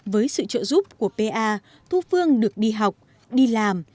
với sự trợ giúp của pa thu phương được đi học đi làm